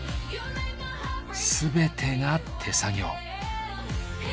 全てが手作業。